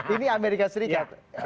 ini amerika serikat